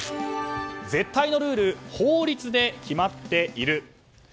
絶対のルール法律で決まっている？